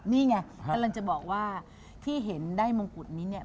นี่ไงกำลังจะบอกว่าที่เห็นได้มงกุฎนี้เนี่ย